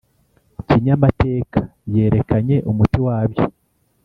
kinyamateka yerekanye umuti wabyo